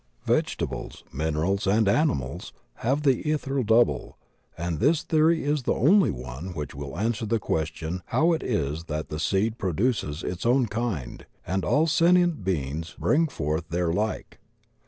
Vegetables, minerals, and animals have the ethereal double, and this theory is the only one which will answer the question how it is that the seed pro 40 THE OCEAN OF THEOSOPHY duces its own kind and all sentient beings bring forth their Uke.